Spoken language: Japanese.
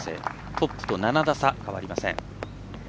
トップと７打差変わりません。